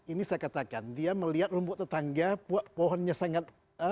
ini saya katakan dia melihat rumput tetangga pohonnya sangat